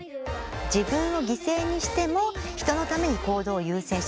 自分を犠牲にしても人のために行動を優先してしまう。